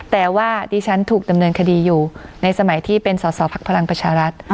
แต่ว่าดิฉันถูกดำเนินคดีอยู่ในสมัยที่เป็นสอสอภักดิ์พลังประชารัฐ